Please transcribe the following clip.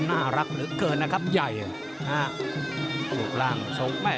น่ารักเหลือเกินนะครับ